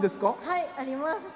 はいあります。